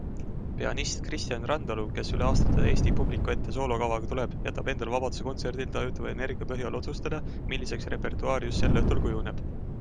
Pianist Kristjan Randalu, kes üle aastate eesti publiku ette soolokavaga tuleb, jätab endale vabaduse kontserdil tajutava energia põhjal otsustada, milliseks repertuaar just sel õhtul kujuneb.